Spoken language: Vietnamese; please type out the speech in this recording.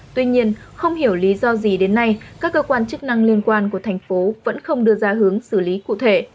tuy nhiên không hiểu lý do gì đến nay các cơ quan chức năng liên quan của thành phố vẫn không đưa ra hướng xử lý cụ thể